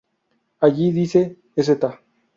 Allí, dice Sta.